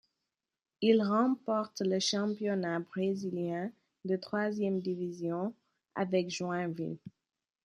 Il remporte le championnat brésilien de troisième division avec Joinville.